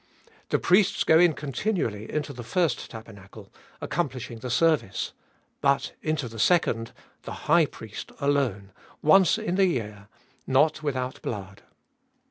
The priests go in continually into the first tabernacle, accomplishing the service ; but into the second, the high priest alone, once in the year, not without blood.